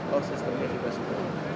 kalau sistemnya juga sudah